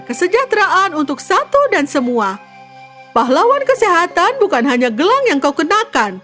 kesejahteraan untuk satu dan semua pahlawan kesehatan bukan hanya gelang yang kau kenakan